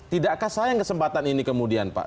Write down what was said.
tidakkah sayang kesempatan ini kemudian pak